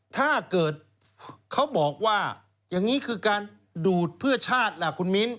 ถ้าเกิดเขาบอกว่าอย่างนี้คือการดูดเพื่อชาติล่ะคุณมิ้น